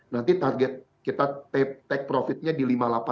nanti target kita take profit nya di lima ribu delapan ratus lima puluh